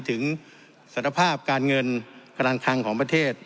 ถึงสัญภาพกาลเงินกลางคังของประเทศ